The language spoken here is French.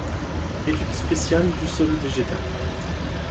Étude spéciale du sol végétal.